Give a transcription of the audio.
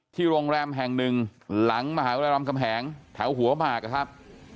ที่โรงแรมแห่งหนึ่งหลังมหาวิทยาลัยรัมน์กำแหงแถวหัวมากนะครับ